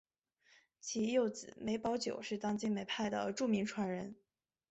其幼子梅葆玖是当今梅派的著名传人。